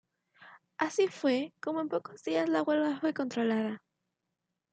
Así fue como en pocos días la huelga fue controlada.